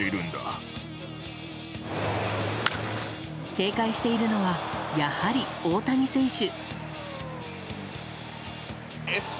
警戒しているのはやはり大谷選手。